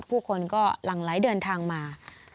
ผู้คนก็หลั่งไหลเดินทางมา